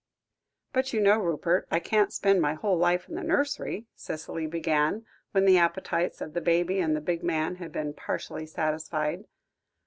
"But you know, Rupert, I can't spend my whole life in the nursery," Cicely began, when the appetites of the baby and the big man had been partially satisfied.